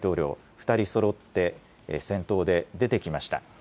２人そろって先頭で出てきました。